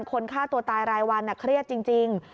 คนฆ่าตัวตายรายวันเครียดจริง